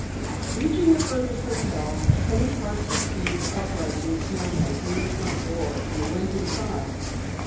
Reaching the Fergus hotel, Penny parked her skis upright in a snowbank near the front door, and went inside.